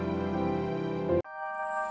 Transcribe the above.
jidatmu tak berhasil